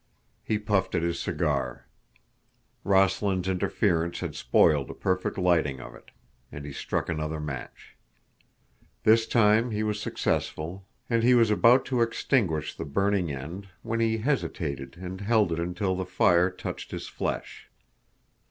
He puffed at his cigar. Rossland's interference had spoiled a perfect lighting of it, and he struck another match. This time he was successful, and he was about to extinguish the burning end when he hesitated and held it until the fire touched his flesh.